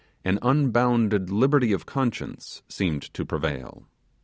An unbounded liberty of conscience seemed to prevail.